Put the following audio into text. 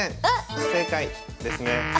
不正解ですね。